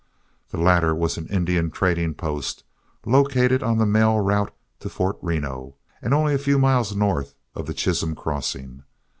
The latter was an Indian trading post, located on the mail route to Fort Reno, and only a few miles north of the Chisholm Crossing.